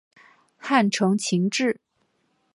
汉承秦制。